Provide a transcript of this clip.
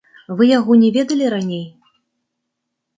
Вы яго не ведалі раней?